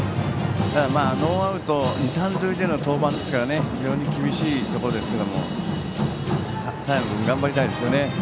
ノーアウト二、三塁での登板ですから非常に厳しいところですけども佐山君、頑張りたいですよね。